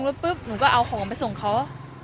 ก็พอลงรถปุ๊บหนูก็เอาของไปส่งเขา